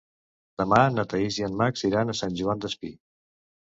Demà na Thaís i en Max iran a Sant Joan Despí.